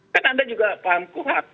kan anda juga paham kuhap